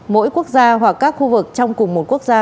mỗi quốc gia hoặc các khu vực trong cùng một quốc gia